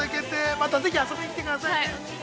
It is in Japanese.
またぜひ遊びに来てくださいね。